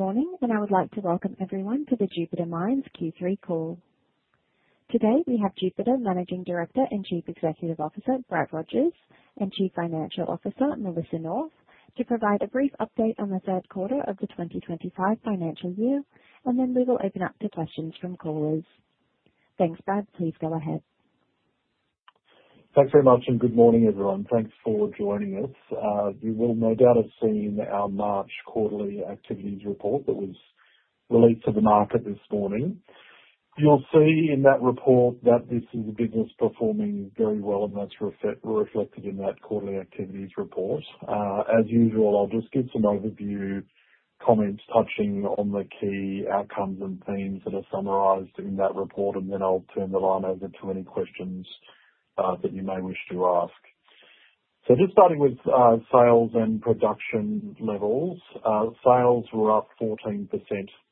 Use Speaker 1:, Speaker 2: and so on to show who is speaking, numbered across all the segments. Speaker 1: Morning, and I would like to welcome everyone to the Jupiter Mines Q3 call. Today we have Jupiter Managing Director and Chief Executive Officer Brad Rogers, and Chief Financial Officer Melissa North to provide a brief update on the third quarter of the 2025 financial year, and then we will open up to questions from callers. Thanks, Brad. Please go ahead.
Speaker 2: Thanks very much, and good morning, everyone. Thanks for joining us. You will no doubt have seen our March quarterly activities report that was released to the market this morning. You'll see in that report that this is a business performing very well, and that's reflected in that quarterly activities report. As usual, I'll just give some overview comments touching on the key outcomes and themes that are summarized in that report, and then I'll turn the line over to any questions that you may wish to ask. Just starting with sales and production levels, sales were up 14%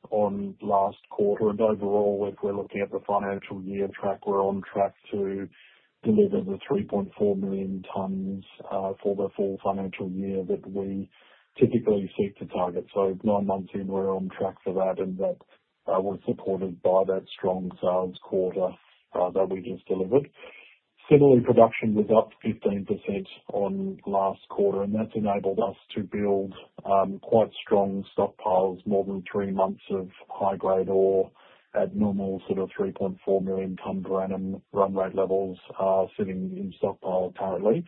Speaker 2: on last quarter, and overall, if we're looking at the financial year track, we're on track to deliver the 3.4 million tons for the full financial year that we typically seek to target. Nine months in, we're on track for that, and that was supported by that strong sales quarter that we just delivered. Similarly, production was up 15% on last quarter, and that's enabled us to build quite strong stockpiles, more than three months of high-grade or abnormal sort of 3.4 million ton per annum run rate levels sitting in stockpile currently.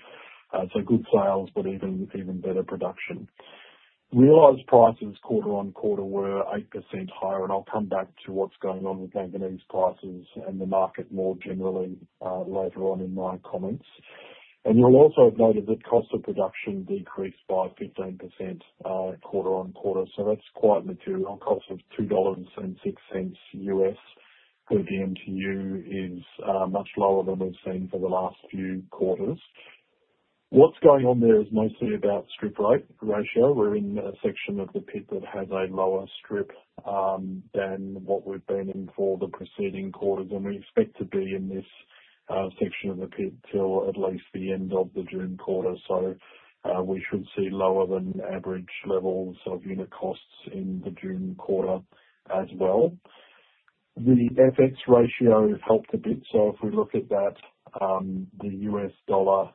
Speaker 2: Good sales, but even better production. Realized prices quarter on quarter were 8% higher, and I'll come back to what's going on with manganese prices and the market more generally later on in my comments. You'll also have noticed that cost of production decreased by 15% quarter on quarter, so that's quite material. Cost of $2.06 US per dmtu is much lower than we've seen for the last few quarters. What's going on there is mostly about strip ratio. We're in a section of the pit that has a lower strip than what we've been in for the preceding quarters, and we expect to be in this section of the pit till at least the end of the June quarter. We should see lower than average levels of unit costs in the June quarter as well. The FX ratio helped a bit, so if we look at that, the US dollar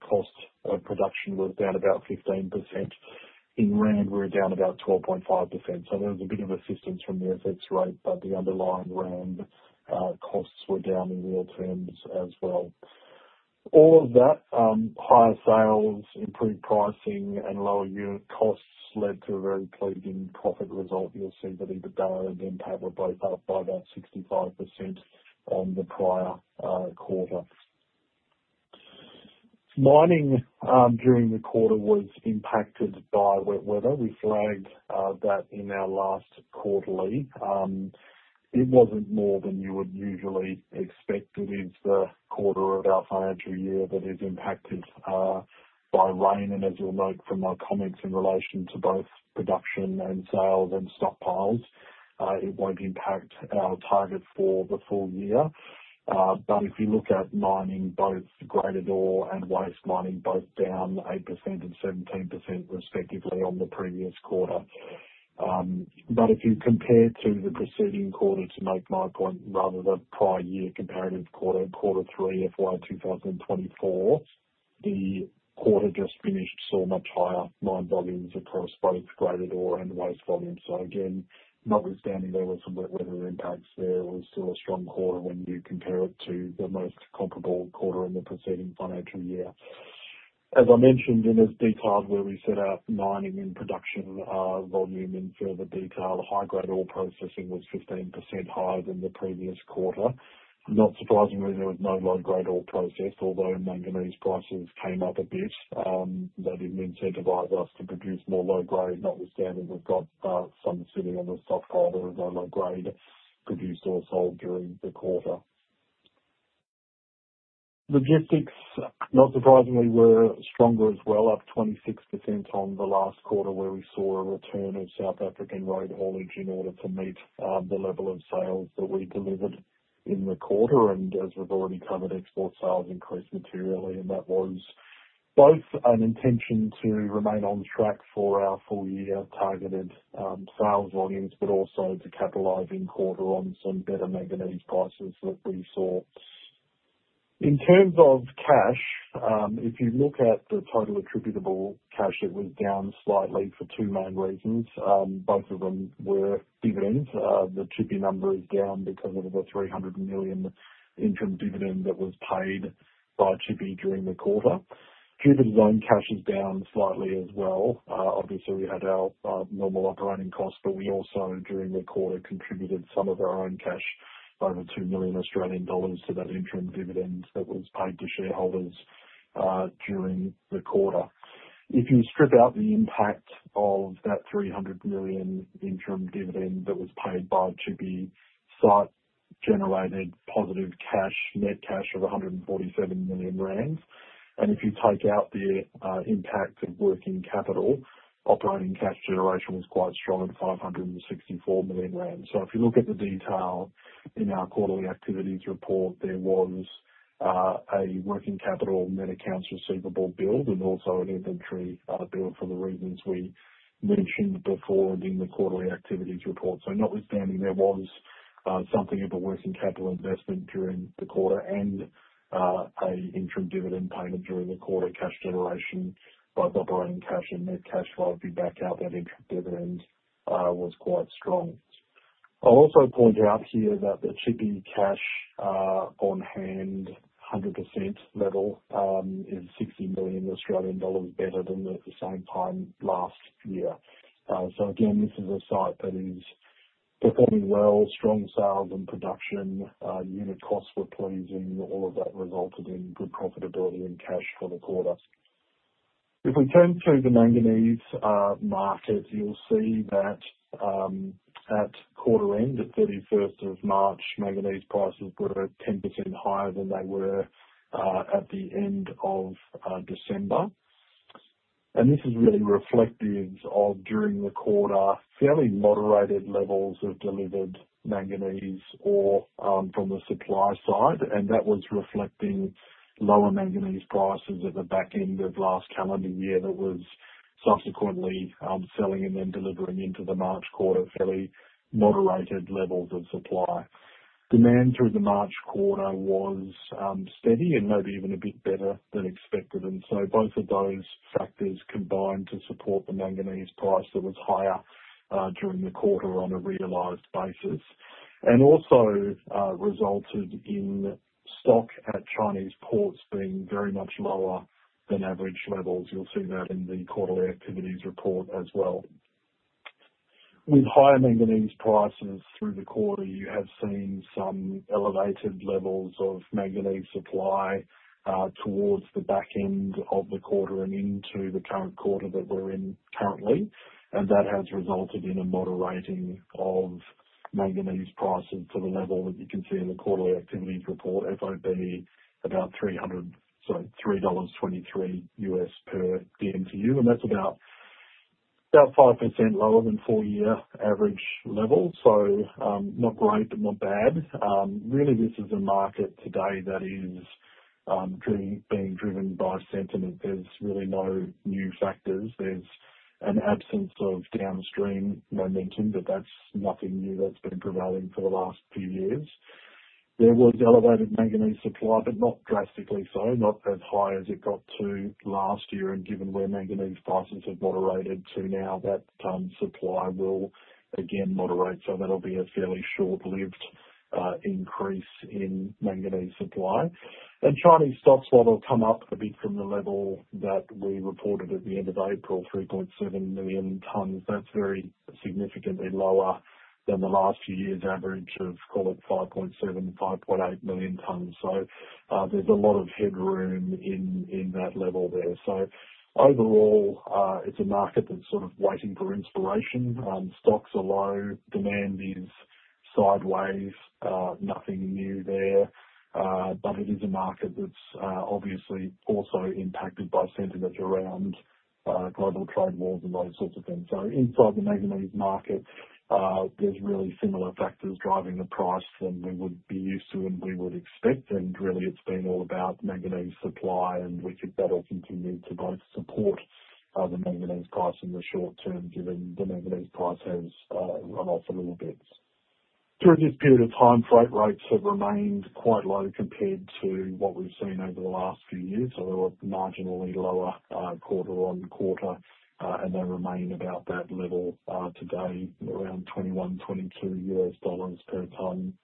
Speaker 2: cost of production was down about 15%. In Rand, we were down about 12.5%. There was a bit of assistance from the FX rate, but the underlying Rand costs were down in real terms as well. All of that, higher sales, improved pricing, and lower unit costs led to a very pleasing profit result. You'll see that EBITDA and NPAT were both up by about 65% on the prior quarter. Mining during the quarter was impacted by wet weather. We flagged that in our last quarterly. It was not more than you would usually expect. It is the quarter of our financial year that is impacted by rain, and as you will note from my comments in relation to both production and sales and stockpiles, it will not impact our target for the full year. If you look at mining, both grade ore and waste mining were down 8% and 17% respectively on the previous quarter. If you compare to the preceding quarter, to make my point, rather than prior year comparative quarter, quarter three, FY 2024, the quarter just finished saw much higher mine volumes across both grade ore and waste volume. Again, notwithstanding there were some wet weather impacts, there was still a strong quarter when you compare it to the most comparable quarter in the preceding financial year. As I mentioned in this detailed where we set out mining and production volume in further detail, high-grade ore processing was 15% higher than the previous quarter. Not surprisingly, there was no low-grade ore processed, although manganese prices came up a bit. That did not incentivize us to produce more low-grade. Notwithstanding, we have got some sitting on the stockpile, there was no low-grade produced or sold during the quarter. Logistics, not surprisingly, were stronger as well, up 26% on the last quarter where we saw a return of South African Road Haulage in order to meet the level of sales that we delivered in the quarter. As we've already covered, export sales increased materially, and that was both an intention to remain on track for our full-year targeted sales volumes, but also to capitalize in quarter on some better manganese prices that we saw. In terms of cash, if you look at the total attributable cash, it was down slightly for two main reasons. Both of them were dividends. The chippy number is down because of the 300 million income dividend that was paid by chippy during the quarter. Jupiter's own cash is down slightly as well. Obviously, we had our normal operating costs, but we also, during the quarter, contributed some of our own cash, over 2 million Australian dollars, to that interim dividend that was paid to shareholders during the quarter. If you strip out the impact of that 300 million interim dividend that was paid by Tshipi, site-generated positive cash, net cash of 147 million rand. If you take out the impact of working capital, operating cash generation was quite strong at 564 million rand. If you look at the detail in our quarterly activities report, there was a working capital and an accounts receivable bill, and also an inventory bill for the reasons we mentioned before in the quarterly activities report. Notwithstanding, there was something of a working capital investment during the quarter and an interim dividend payment during the quarter, cash generation both operating cash and net cash. If you back out that interim dividend, it was quite strong. I'll also point out here that the chippy cash on hand 100% level is 60 million Australian dollars better than at the same time last year. This is a site that is performing well, strong sales and production, unit costs were pleasing, all of that resulted in good profitability and cash for the quarter. If we turn to the manganese market, you'll see that at quarter end, the 31st of March, manganese prices were 10% higher than they were at the end of December. This is really reflective of, during the quarter, fairly moderated levels of delivered manganese ore from the supply side, and that was reflecting lower manganese prices at the back end of last calendar year that was subsequently selling and then delivering into the March quarter, fairly moderated levels of supply. Demand through the March quarter was steady and maybe even a bit better than expected. Both of those factors combined to support the manganese price that was higher during the quarter on a realized basis and also resulted in stock at Chinese ports being very much lower than average levels. You will see that in the quarterly activities report as well. With higher manganese prices through the quarter, you have seen some elevated levels of manganese supply towards the back end of the quarter and into the current quarter that we are in currently, and that has resulted in a moderating of manganese prices to the level that you can see in the quarterly activities report, FOB, about $3.23 US per dmtu, and that is about 5% lower than full-year average level. Not great, but not bad. Really, this is a market today that is being driven by sentiment. There's really no new factors. There's an absence of downstream momentum, but that's nothing new that's been prevailing for the last few years. There was elevated manganese supply, but not drastically so, not as high as it got to last year. Given where manganese prices have moderated to now, that supply will again moderate. That will be a fairly short-lived increase in manganese supply. Chinese stocks will come up a bit from the level that we reported at the end of April, 3.7 million tons. That's very significantly lower than the last few years' average of, call it, 5.7-5.8 million tons. There's a lot of headroom in that level there. Overall, it's a market that's sort of waiting for inspiration. Stocks are low, demand is sideways, nothing new there, but it is a market that's obviously also impacted by sentiment around global trade wars and those sorts of things. Inside the manganese market, there are really similar factors driving the price that we would be used to and we would expect. Really, it's been all about manganese supply, and we could better continue to both support the manganese price in the short term given the manganese price has run off a little bit. During this period of time, freight rates have remained quite low compared to what we've seen over the last few years. They were marginally lower quarter on quarter, and they remain about that level today, around $21-$22 per tonne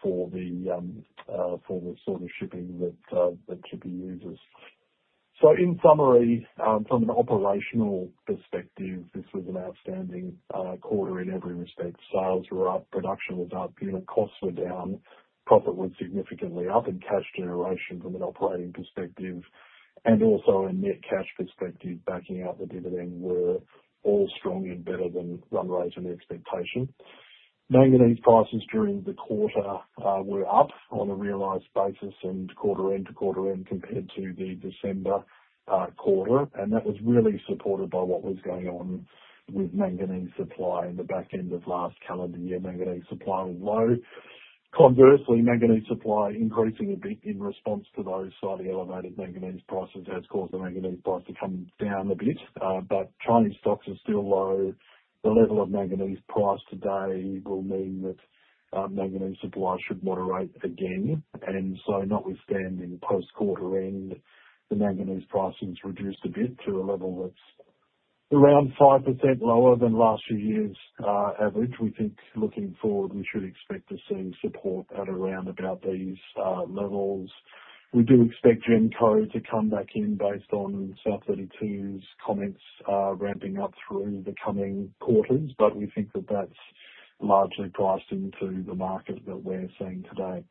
Speaker 2: for the sort of shipping that chippy uses. In summary, from an operational perspective, this was an outstanding quarter in every respect. Sales were up, production was up, unit costs were down, profit was significantly up, and cash generation from an operating perspective and also a net cash perspective backing out the dividend were all strong and better than run rate and expectation. Manganese prices during the quarter were up on a realized basis and quarter end to quarter end compared to the December quarter, and that was really supported by what was going on with manganese supply in the back end of last calendar year. Manganese supply was low. Conversely, manganese supply increasing a bit in response to those slightly elevated manganese prices has caused the manganese price to come down a bit, but Chinese stocks are still low. The level of manganese price today will mean that manganese supply should moderate again. Notwithstanding, post-quarter end, the manganese price has reduced a bit to a level that's around 5% lower than last year's average. We think looking forward, we should expect to see support at around about these levels. We do expect GEMCO to come back in based on South32's comments ramping up through the coming quarters, but we think that that's largely priced into the market that we're seeing today.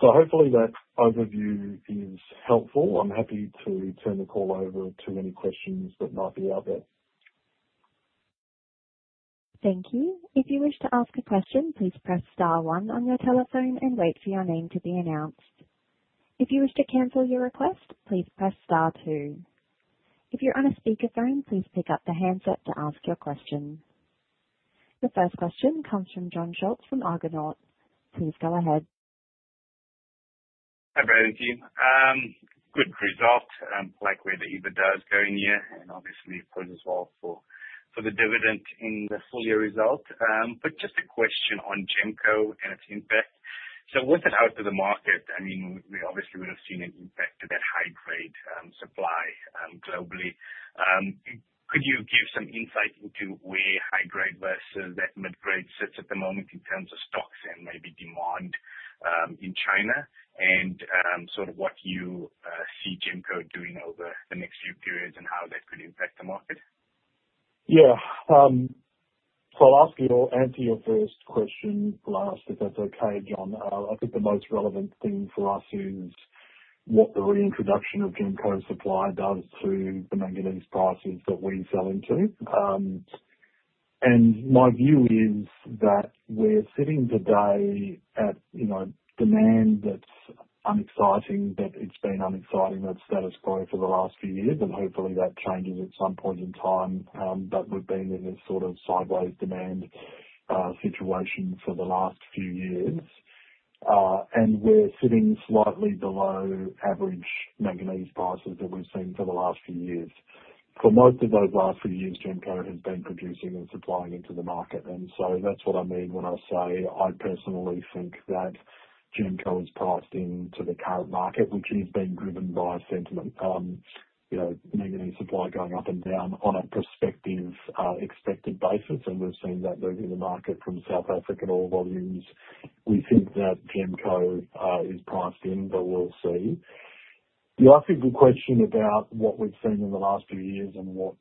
Speaker 2: Hopefully that overview is helpful. I'm happy to turn the call over to any questions that might be out there.
Speaker 1: Thank you. If you wish to ask a question, please press star one on your telephone and wait for your name to be announced. If you wish to cancel your request, please press star two. If you're on a speakerphone, please pick up the handset to ask your question. The first question comes from John Schultz from Argonaut. Please go ahead.
Speaker 3: Hi Brad, Jim. Good result, like where the EBITDA is going here, and obviously it plays as well for the dividend in the full-year result. Just a question on GEMCO and its impact. With it out to the market, I mean, we obviously would have seen an impact to that high-grade supply globally. Could you give some insight into where high-grade versus that mid-grade sits at the moment in terms of stocks and maybe demand in China and sort of what you see GEMCO doing over the next few periods and how that could impact the market?
Speaker 2: Yeah. I'll answer your first question last if that's okay, John. I think the most relevant thing for us is what the reintroduction of GEMCO supply does to the manganese prices that we're selling to. My view is that we're sitting today at demand that's unexciting, that it's been unexciting, that's status quo for the last few years, and hopefully that changes at some point in time. We've been in this sort of sideways demand situation for the last few years, and we're sitting slightly below average manganese prices that we've seen for the last few years. For most of those last few years, GEMCO has been producing and supplying into the market. That is what I mean when I say I personally think that GEMCO is priced into the current market, which is being driven by sentiment, manganese supply going up and down on a prospective expected basis. We've seen that moving the market from South African ore volumes. We think that GEMCO is priced in, but we'll see. The last simple question about what we've seen in the last few years and what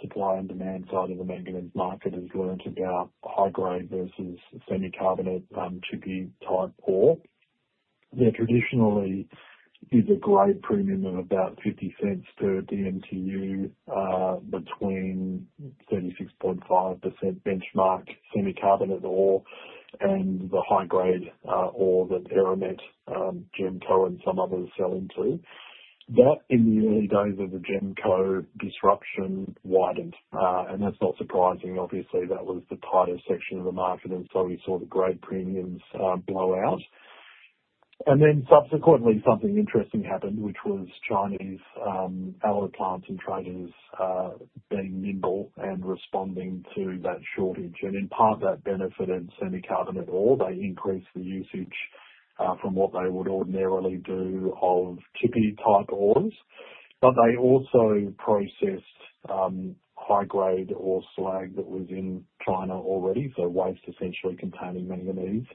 Speaker 2: supply and demand side of the manganese market has learned about high-grade versus semi-carbonate and chippy type ore. There traditionally is a grade premium of about $0.50 per dmtu between 36.5% benchmark semi-carbonate ore and the high-grade ore that Eramet, GEMCO, and some others sell into. That in the early days of the GEMCO disruption widened, and that's not surprising. Obviously, that was the tighter section of the market, and so we saw the grade premiums blow out. Subsequently, something interesting happened, which was Chinese alloy plants and traders being nimble and responding to that shortage. In part, that benefited semi-carbonate ore. They increased the usage from what they would ordinarily do of chippy type ores, but they also processed high-grade ore slag that was in China already, so waste essentially containing manganese,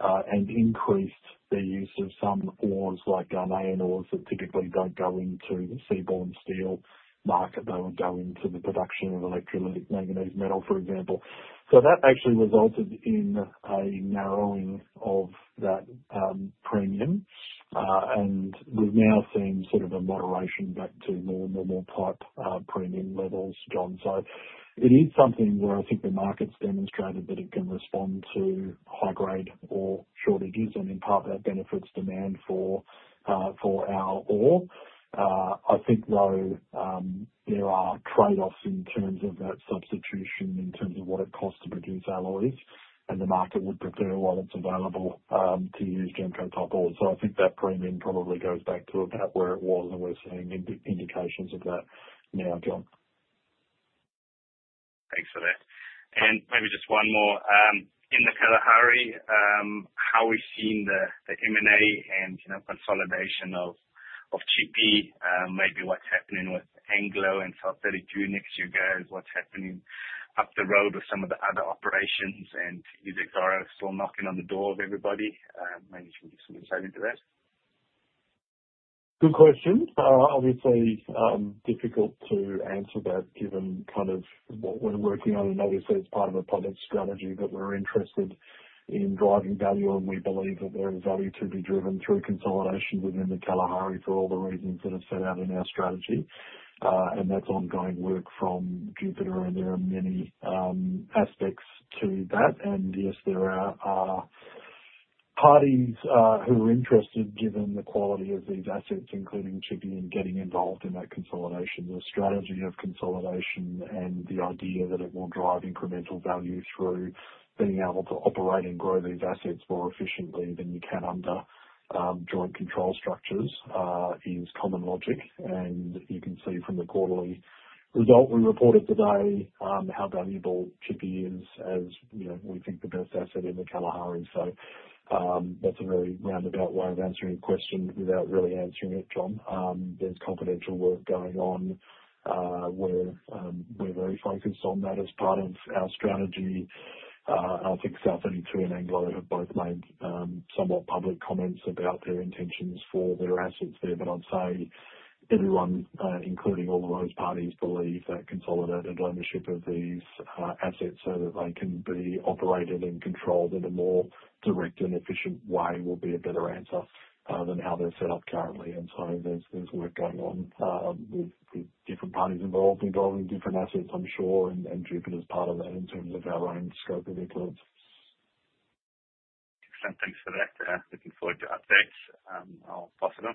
Speaker 2: and increased the use of some ores like guanine ores that typically don't go into the seaborne steel market. They would go into the production of electrolytic manganese metal, for example. That actually resulted in a narrowing of that premium, and we've now seen sort of a moderation back to more normal type premium levels, John. It is something where I think the market's demonstrated that it can respond to high-grade ore shortages, and in part, that benefits demand for our ore. I think, though, there are trade-offs in terms of that substitution, in terms of what it costs to produce alloys, and the market would prefer while it's available to use GEMCO type ore. I think that premium probably goes back to about where it was, and we're seeing indications of that now, John.
Speaker 3: Thanks for that. Maybe just one more in the Kalahari, how we've seen the M&A and consolidation of chippy, maybe what's happening with Anglo and South32 next year, what's happening up the road with some of the other operations, and is Exxaro still knocking on the door of everybody? Maybe you can give some insight into that.
Speaker 2: Good question. Obviously, difficult to answer that given kind of what we're working on. Obviously, it's part of a public strategy that we're interested in driving value, and we believe that there is value to be driven through consolidation within the Kalahari for all the reasons that are set out in our strategy. That's ongoing work from Jupiter, and there are many aspects to that. Yes, there are parties who are interested given the quality of these assets, including chippy, in getting involved in that consolidation. The strategy of consolidation and the idea that it will drive incremental value through being able to operate and grow these assets more efficiently than you can under joint control structures is common logic. You can see from the quarterly result we reported today how valuable chippy is as we think the best asset in the Kalahari. That is a very roundabout way of answering your question without really answering it, John. There is confidential work going on. We are very focused on that as part of our strategy. I think South32 and Anglo have both made somewhat public comments about their intentions for their assets there, but I'd say everyone, including all of those parties, believe that consolidated ownership of these assets so that they can be operated and controlled in a more direct and efficient way will be a better answer than how they're set up currently. There is work going on with different parties involved, involving different assets, I'm sure, and Jupiter's part of that in terms of our own scope of influence.
Speaker 3: Excellent. Thanks for that. Looking forward to updates. I'll pass it on.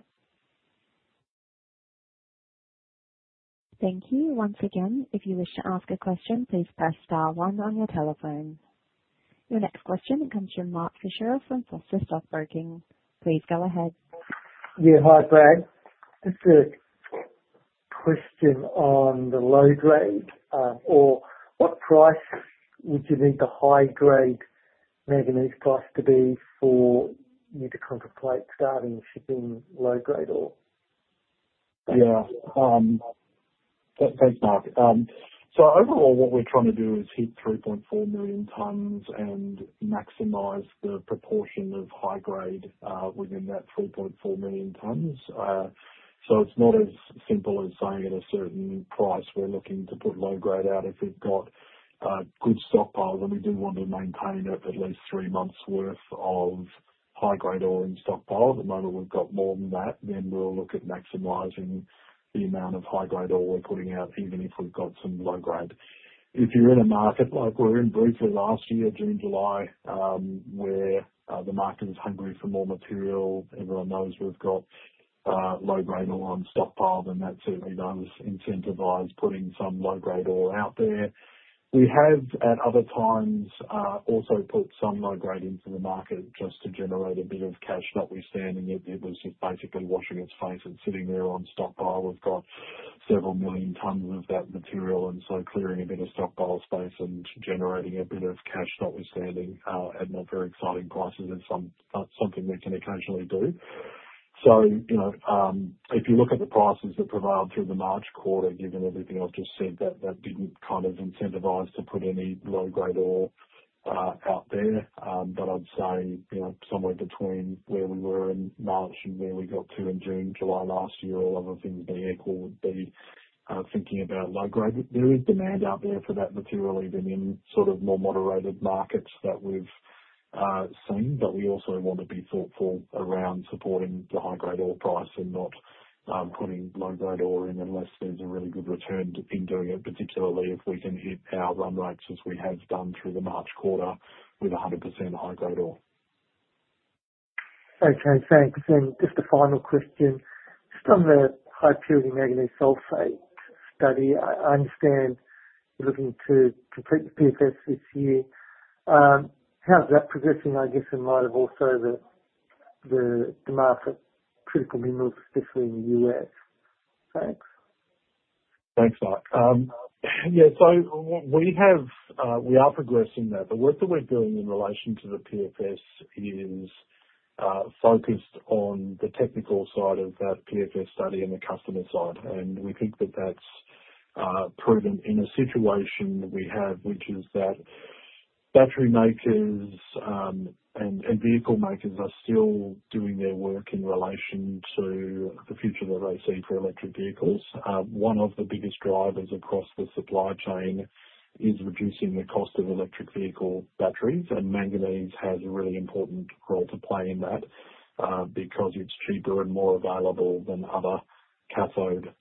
Speaker 1: Thank you. Once again, if you wish to ask a question, please press star one on your telephone. Your next question comes from Mark Fisher from Foster Stockbroking. Please go ahead.
Speaker 4: Yeah. Hi, Brad. Just a question on the low-grade ore. What price would you need the high-grade manganese price to be for you to contemplate starting shipping low-grade ore?
Speaker 2: Yeah. Thanks, Mark. Overall, what we're trying to do is hit 3.4 million tons and maximize the proportion of high-grade within that 3.4 million tons. It is not as simple as saying at a certain price we're looking to put low-grade out if we've got good stockpiles, and we do want to maintain at least three months' worth of high-grade ore in stockpile. At the moment, we've got more than that, then we'll look at maximizing the amount of high-grade ore we're putting out even if we've got some low-grade. If you're in a market like we were in briefly last year, June, July, where the market was hungry for more material, everyone knows we've got low-grade ore on stockpiles, and that certainly does incentivize putting some low-grade ore out there. We have, at other times, also put some low-grade into the market just to generate a bit of cash notwithstanding it was just basically washing its face and sitting there on stockpile. We've got several million tons of that material, and clearing a bit of stockpile space and generating a bit of cash notwithstanding at not very exciting prices is something we can occasionally do. If you look at the prices that prevailed through the March quarter, given everything I've just said, that did not kind of incentivize to put any low-grade ore out there. I'd say somewhere between where we were in March and where we got to in June, July last year, all other things being equal, would be thinking about low-grade. There is demand out there for that material even in sort of more moderated markets that we've seen, but we also want to be thoughtful around supporting the high-grade ore price and not putting low-grade ore in unless there's a really good return in doing it, particularly if we can hit our run rates as we have done through the March quarter with 100% high-grade ore.
Speaker 4: Okay. Thanks. Just a final question. Just on the high-purity manganese sulphate study, I understand you're looking to complete the PFS this year. How's that progressing, I guess, in light of also the demand for critical minerals, especially in the U.S.? Thanks.
Speaker 2: Thanks, Mark. Yeah. We are progressing there. The work that we're doing in relation to the PFS is focused on the technical side of that PFS study and the customer side. We think that that's proven in a situation we have, which is that battery makers and vehicle makers are still doing their work in relation to the future that they see for electric vehicles. One of the biggest drivers across the supply chain is reducing the cost of electric vehicle batteries, and manganese has a really important role to play in that because it's cheaper and more available than other cathode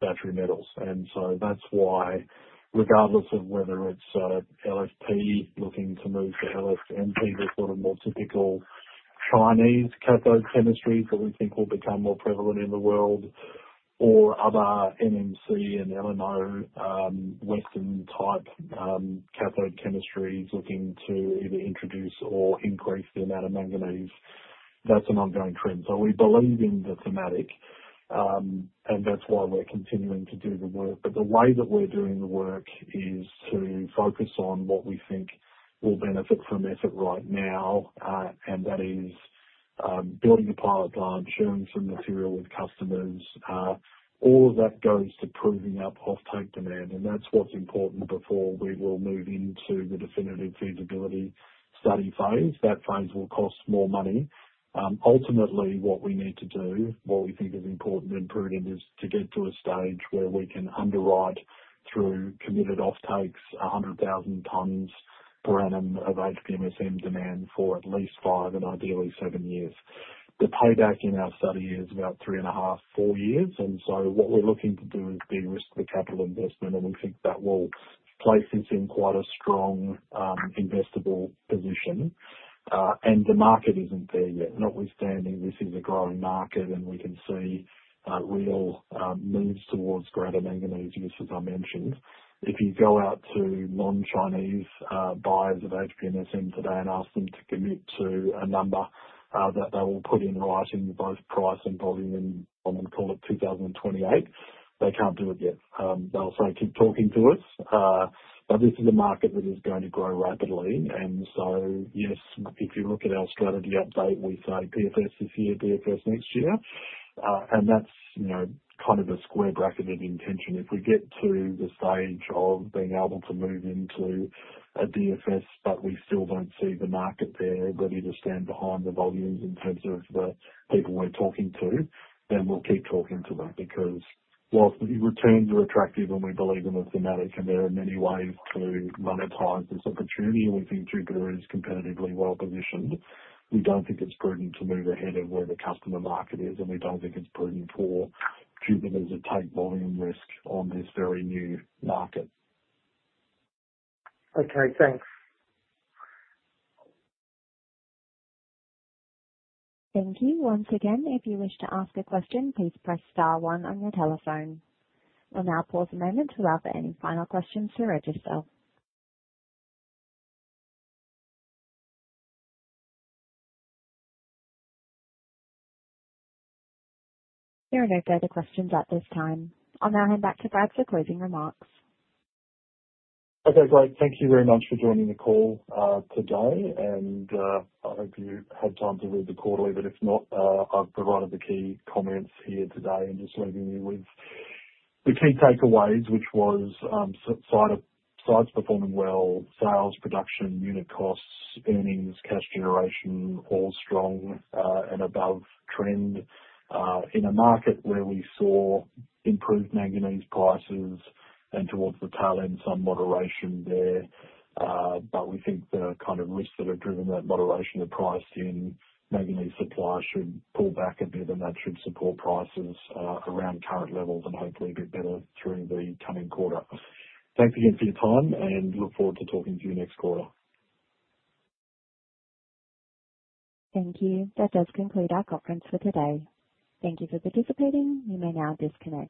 Speaker 2: battery metals. That is why, regardless of whether it is LFP looking to move to LFMP, the sort of more typical Chinese cathode chemistries that we think will become more prevalent in the world, or other NMC and LNO, Western-type cathode chemistries looking to either introduce or increase the amount of manganese, that is an ongoing trend. We believe in the thematic, and that is why we are continuing to do the work. The way that we are doing the work is to focus on what we think will benefit from effort right now, and that is building a pilot plant, sharing some material with customers. All of that goes to proving up off-take demand, and that is what is important before we will move into the definitive feasibility study phase. That phase will cost more money. Ultimately, what we need to do, what we think is important and prudent, is to get to a stage where we can underwrite through committed off-takes 100,000 tons per annum of HPMSM demand for at least five and ideally seven years. The payback in our study is about three and a half, four years. What we are looking to do is de-risk the capital investment, and we think that will place us in quite a strong investable position. The market is not there yet. Notwithstanding, this is a growing market, and we can see real moves towards greater manganese use, as I mentioned. If you go out to non-Chinese buyers of HPMSM today and ask them to commit to a number that they will put in writing both price and volume in, and call it 2028, they cannot do it yet. They'll say, "Keep talking to us." This is a market that is going to grow rapidly. Yes, if you look at our strategy update, we say, "PFS this year, BFS next year." That is kind of a square bracketed intention. If we get to the stage of being able to move into a BFS, but we still do not see the market there ready to stand behind the volumes in terms of the people we are talking to, then we will keep talking to them because while the returns are attractive and we believe in the thematic and there are many ways to monetize this opportunity, and we think Jupiter is competitively well-positioned, we do not think it is prudent to move ahead of where the customer market is, and we do not think it is prudent for Jupiter to take volume risk on this very new market.
Speaker 4: Okay. Thanks.
Speaker 1: Thank you. Once again, if you wish to ask a question, please press star one on your telephone. We'll now pause a moment to allow for any final questions to register. There are no further questions at this time. I'll now hand back to Brad for closing remarks.
Speaker 2: Okay. Great. Thank you very much for joining the call today. I hope you had time to read the quarterly, but if not, I've provided the key comments here today and just leaving you with the key takeaways, which was sites performing well, sales, production, unit costs, earnings, cash generation, all strong and above trend in a market where we saw improved manganese prices and towards the tail end some moderation there. We think the kind of risks that have driven that moderation of price in manganese supply should pull back a bit, and that should support prices around current levels and hopefully a bit better through the coming quarter. Thanks again for your time, and look forward to talking to you next quarter. Thank you. That does conclude our conference for today. Thank you for participating. You may now disconnect.